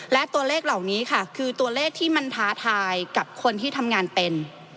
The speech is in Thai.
และตัวเลขเหล่านี้ค่ะคือตัวเลขที่มันท้าทายกับคนที่ทำงานเป็น